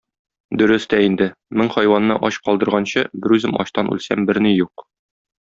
Дөрес тә инде, мең хайванны ач калдырганчы, берүзем ачтан үлсәм, берни юк.